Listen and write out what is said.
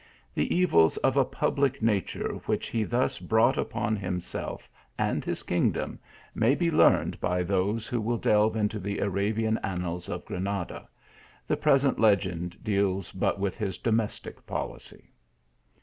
The evils of a public nature which he thus brought upon him self and his kingdom, may be learned by those who will delve into the Arabian annals of Grana da ; the present legend deals but with his domestic policy.